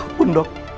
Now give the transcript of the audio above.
lakukan apapun dok